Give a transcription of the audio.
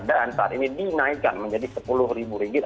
dan saat ini dinaikkan menjadi sepuluh ribu rupiah